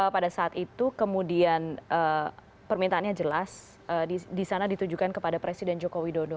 pada saat itu kemudian permintaannya jelas di sana ditujukan kepada presiden joko widodo